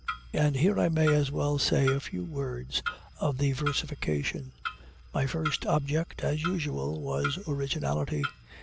And here I may as well say a few words of the versification. My first object (as usual) was originality.